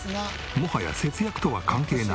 もはや節約とは関係ない。